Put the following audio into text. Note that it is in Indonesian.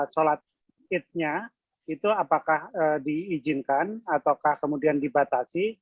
salat eid nya itu apakah diizinkan ataukah kemudian dibatasi